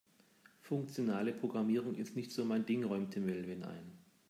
Funktionale Programmierung ist nicht so mein Ding, räumte Melvin ein.